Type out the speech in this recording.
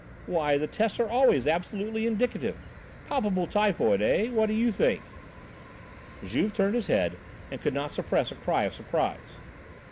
"Why, the tests are always absolutely indicative! Palpable typhoid, eh? What do you think?" Juve turned his head and could not suppress a cry of surprise.